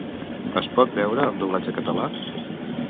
Es pot veure amb doblatge català?